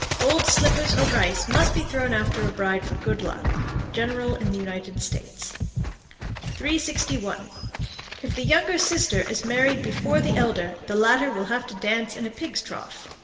Old slippers or rice must be thrown after a bride for good luck. General in the United States. 361. If the younger sister is married before the elder, the latter will have to dance in a pig's trough.